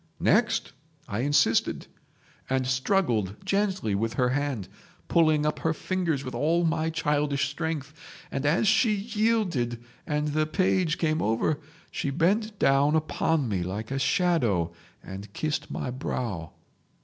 "'Next?' I insisted, and struggled gently with her hand, pulling up her fingers with all my childish strength, and as she yielded and the page came over she bent down upon me like a shadow and kissed my brow.